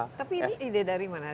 tapi ini ide dari mana